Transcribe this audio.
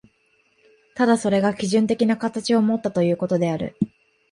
ただそれが基準的な形をもったということである。